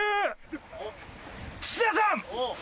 土田さん！